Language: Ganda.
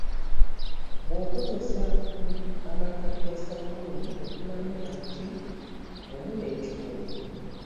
Bw’okozesa amakkati ga ssabbuuni ofunamu omuti gumu n’ekitundu.